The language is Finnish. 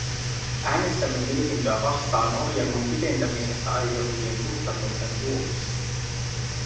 Äänestämme mietintöä vastaan ohjelman pidentämisestä aiheutuvien kustannusten vuoksi.